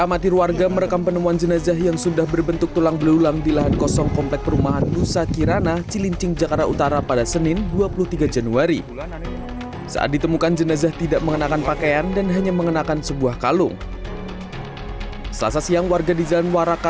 assalamualaikum wr wb